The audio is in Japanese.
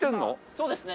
そうですね。